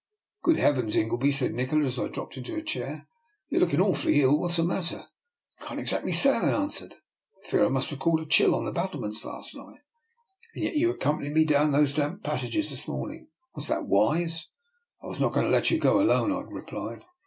" Good heavens, Ingleby!" said Nikola, as I dropped into a chair, " you're looking aw fully ill. What is the matter? "" I can't exactly say," I answered. " I fear I must have caught a chill on the battle ments last night." " And yet you accompanied me down to those damp passages this morning. Was that wiser ? I was not going to let you go alone," I replied.